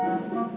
ya ya gak